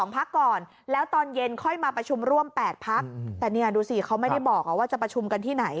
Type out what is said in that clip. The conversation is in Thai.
พักก่อนแล้วตอนเย็นค่อยมาประชุมร่วม๘พักแต่เนี่ยดูสิเขาไม่ได้บอกว่าจะประชุมกันที่ไหน